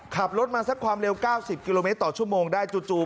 ขับรถมาสักความเร็ว๙๐กิโลเมตรต่อชั่วโมงได้จู่